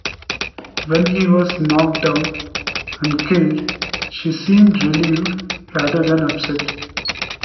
When he was knocked down and killed she seemed relieved rather than upset.